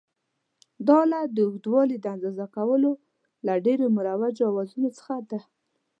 دا آله د اوږدوالي د اندازه کولو له ډېرو مروجو اوزارونو څخه ده.